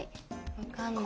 分かんない。